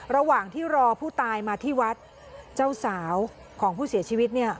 ระหว่างที่รอผู้ตายมาที่วัดเจ้าสาวของผู้เสียชีวิตเนี่ย